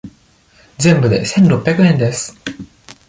全部で千六百円です。